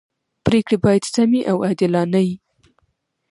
پریکړي باید سمي او عادلانه يي.